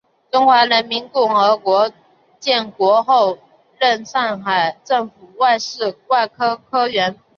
中华人民共和国建国后任上海市政府外事处科员。